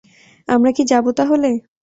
আমরা কি যাবো তাহলে?